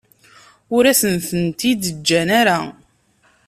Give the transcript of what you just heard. Ur asen-tent-id-ǧǧan ara.